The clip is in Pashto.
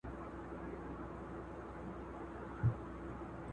زه مېوې خوړلې ده!؟